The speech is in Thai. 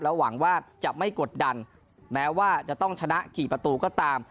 หวังว่าจะไม่กดดันแม้ว่าจะต้องชนะกี่ประตูก็ตาม